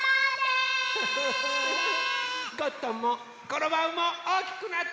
ゴットンもコロバウもおおきくなった。